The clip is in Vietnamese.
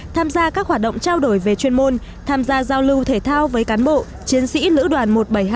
tham gia các hoạt động trao đổi về chuyên môn tham gia giao lưu thể thao với cán bộ chiến sĩ lữ đoàn một trăm bảy mươi hai